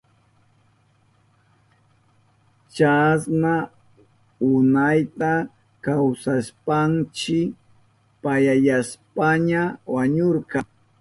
Chasna unayta kawsashpanshi payayashpaña wañurka.